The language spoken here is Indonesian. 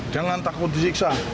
jangan takut disiksa